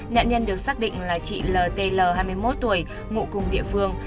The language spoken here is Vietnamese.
nạn nhân được xác định là chị l t l hai mươi một tuổi ngụ cùng địa phương